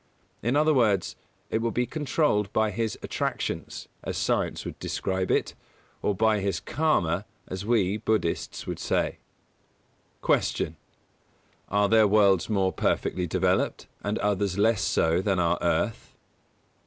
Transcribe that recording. In other words, it will be controlled by his attractions, as science would describe it; or by his Karma, as we, Buddhists, would say. 144. Q. _Are there worlds more perfectly developed, and others less so than our Earth?